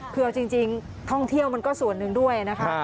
คือเอาจริงท่องเที่ยวมันก็ส่วนหนึ่งด้วยนะคะ